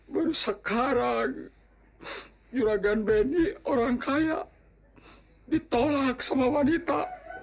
baru sekarang yuragan benny orang kaya ditolak sama wanita